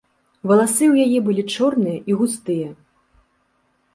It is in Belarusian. Валасы ў яе былі чорныя і густыя.